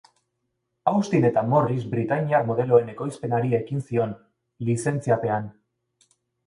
Austin eta Morris britainiar modeloen ekoizpenari ekin zion, lizentziapean.